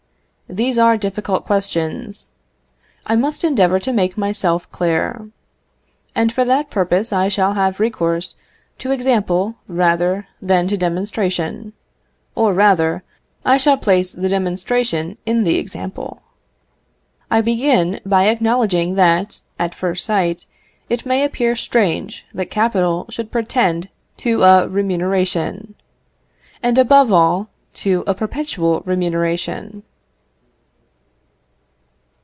These are difficult questions. I must endeavour to make myself clear. And for that purpose I shall have recourse to example rather than to demonstration; or rather, I shall place the demonstration in the example. I begin by acknowledging that, at first sight, it may appear strange that capital should pretend to a remuneration, and above all, to a perpetual remuneration.